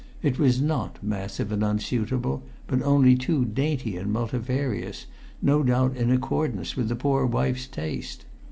It was not massive and unsuitable, but only too dainty and multifarious, no doubt in accordance with the poor wife's taste.